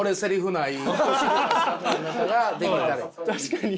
確かに！